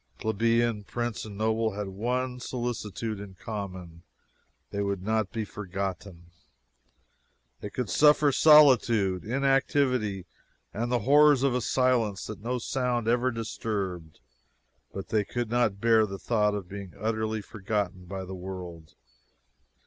Plebeian, prince, and noble had one solicitude in common they would not be forgotten! They could suffer solitude, inactivity, and the horrors of a silence that no sound ever disturbed, but they could not bear the thought of being utterly forgotten by the world.